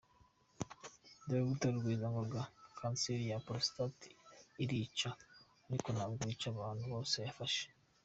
Dr Rugwizangoga: Kanseri ya prostate irica, ariko ntabwo yica abantu bose yafashe.